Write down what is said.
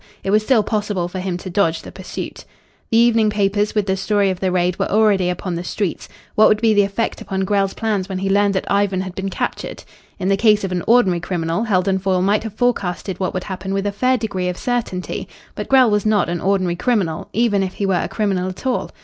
It was still possible for him to dodge the pursuit. The evening papers with the story of the raid were already upon the streets. What would be the effect upon Grell's plans when he learned that Ivan had been captured? In the case of an ordinary criminal, Heldon Foyle might have forecasted what would happen with a fair degree of certainty. But Grell was not an ordinary criminal, even if he were a criminal at all.